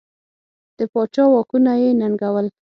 د پاچا واکونه یې ننګول.